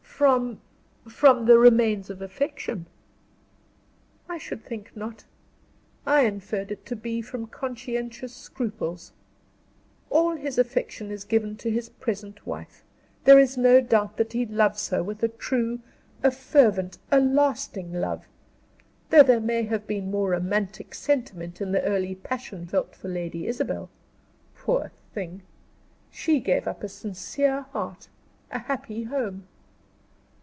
"From from the remains of affection?" "I should think not. I inferred it to be from conscientious scruples. All his affection is given to his present wife. There is no doubt that he loves her with a true, a fervent, a lasting love: though there may have been more romantic sentiment in the early passion felt for Lady Isabel. Poor thing! She gave up a sincere heart, a happy home."